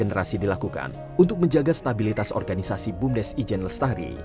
generasi dilakukan untuk menjaga stabilitas organisasi bumdes ijen lestari